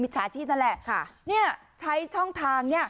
ใช้ช่องทาง